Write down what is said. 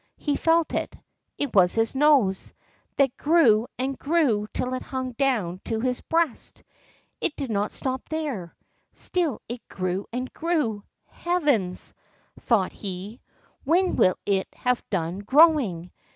He felt it—it was his nose, that grew and grew till it hung down to his breast. It did not stop there—still it grew and grew. "Heavens!" thought he, "when will it have done growing?"